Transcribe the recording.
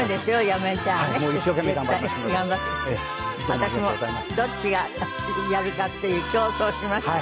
私もどっちがやるかっていう競争しますか？